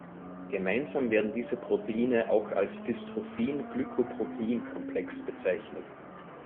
Gemeinsam werden diese Proteine auch als "Dystrophin-Glykoproteinkomplex" bezeichnet.